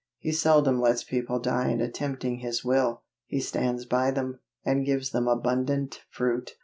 He seldom lets people die in attempting His will. He stands by them, and gives them abundant fruit.